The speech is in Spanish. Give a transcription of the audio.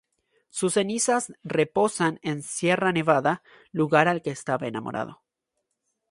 Sus cenizas reposan en Sierra Nevada, lugar del que estaba enamorado.